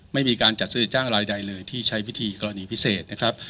ไม่มีการจัดซื้อจ้างรายใดเลยที่ใช้วิธีกรณีพิเศษนะครับ